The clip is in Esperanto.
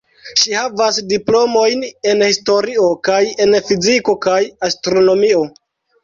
Ŝi havas diplomojn en historio kaj en fiziko kaj astronomio.